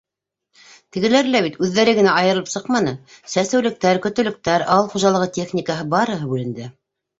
Тегеләре лә бит үҙҙәре генә айырылып сыҡманы: сәсеүлектәр, көтөүлектәр, ауыл хужалығы техникаһы - барыһы бүленде.